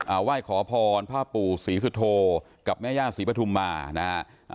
ไหว้ขอพรพ่อปู่ศรีสุโธกับแม่ย่าศรีปฐุมมานะฮะอ่า